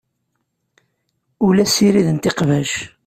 Ur la ssirident iqbac.